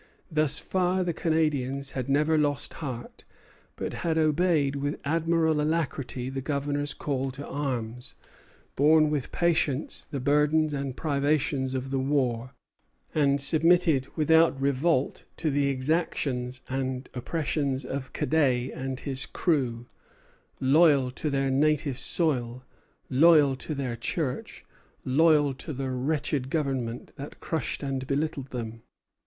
Thus far the Canadians had never lost heart, but had obeyed with admirable alacrity the Governor's call to arms, borne with patience the burdens and privations of the war, and submitted without revolt to the exactions and oppressions of Cadet and his crew; loyal to their native soil, loyal to their Church, loyal to the wretched government that crushed and belittled them.